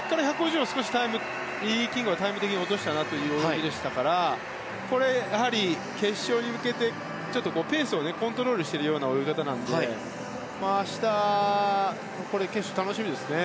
１５０もリリー・キングはタイム的に落とした感じでしたから決勝に向けてペースをコントロールしているような泳ぎなので明日、決勝が楽しみですね。